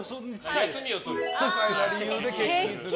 ささいな理由で欠勤する。